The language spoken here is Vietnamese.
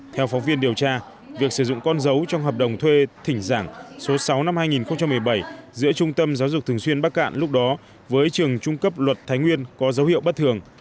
theo phóng viên điều tra việc sử dụng con dấu trong hợp đồng thuê thỉnh giảng số sáu năm hai nghìn một mươi bảy giữa trung tâm giáo dục thường xuyên bắc cạn lúc đó với trường trung cấp luật thái nguyên có dấu hiệu bất thường